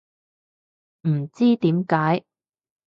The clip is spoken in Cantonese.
唔知點解